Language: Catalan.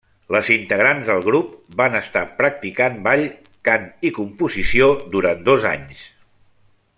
Les integrants del grup, van estar practicant ball, cant i composició durant dos anys.